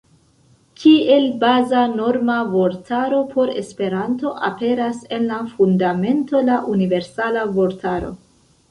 Kiel baza norma vortaro por Esperanto aperas en la Fundamento la "Universala Vortaro".